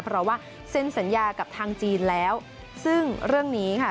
เพราะว่าเซ็นสัญญากับทางจีนแล้วซึ่งเรื่องนี้ค่ะ